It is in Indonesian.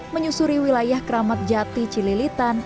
menyusuri wilayah keramat jati cililitan